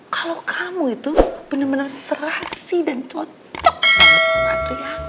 kalau kamu itu bener bener serasi dan cocok banget sama adriana